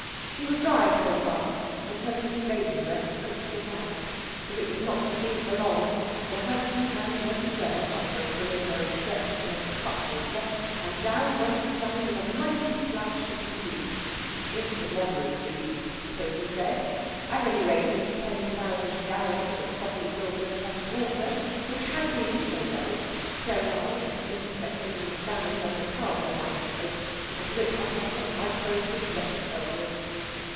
She was dry so far, and her blue bathing dress could stick out. But it was not to be for long, for her two hands went together after a preliminary stretch to make a cutwater, and down went Sally with a mighty splash into the deep into the moderately deep, suppose we say at any rate into ten thousand gallons of properly filtered Thames water, which had been (no doubt) sterilised and disinfected and examined under powerful microscopes until it hadn't got a microbe to bless itself with.